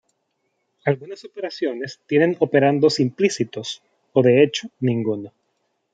Algunas operaciones tienen operandos implícitos, o de hecho ninguno.